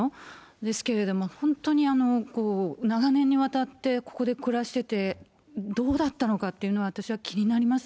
ですけれども、本当に長年にわたってここで暮らしてて、どうだったのかっていうのは、私は気になります。